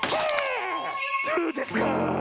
どぅですか